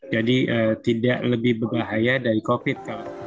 jadi tidak lebih berbahaya dari covid sembilan belas